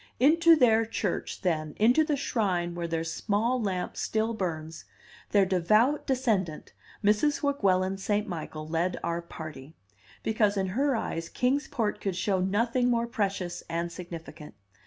Into their church, then, into the shrine where their small lamp still burns, their devout descendant, Mrs. Weguelin St. Michael led our party, because in her eyes Kings Port could show nothing more precious and significant.